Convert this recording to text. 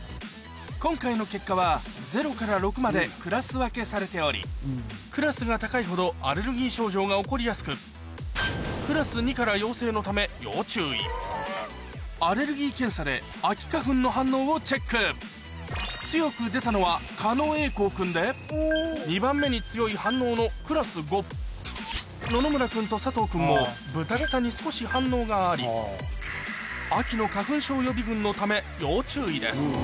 今回の結果は０から６までクラス分けされておりクラスが高いほどアレルギー症状が起こりやすくクラス２から陽性のため要注意アレルギー検査で秋花粉の反応をチェック強く出たのは狩野英孝君で２番目に強い反応のクラス５野々村君と佐藤君もブタクサに少し反応がありのため要注意です